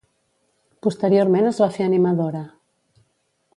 Posteriorment es va fer animadora.